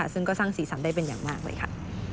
ซึ่งก็สร้างสีสันได้เป็นอย่างมากเลยค่ะ